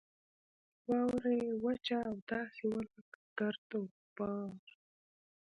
واوره یې وچه او داسې وه لکه ګرد او غبار.